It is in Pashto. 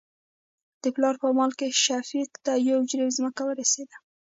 د پلار په مال کې شفيق ته يو جرېب ځمکه ورسېده.